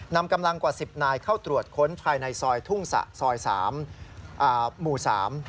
นำกำลังกว่าสิบนายเข้าตรวจค้นภายในซอยทุ่งสะซอยสามอ่าหมู่สาม